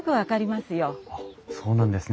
そうなんですね。